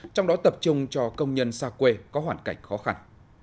trong đó tập trung cho công nhân xa quê có hoàn cảnh khó khăn